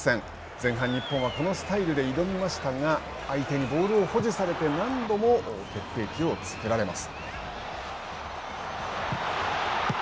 前半、日本はこのスタイルで挑みましたが相手にボールを保持されて、何度も決定機を作られます。